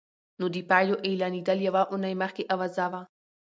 نو د پايلو اعلانېدل يوه اونۍ مخکې اوازه وه.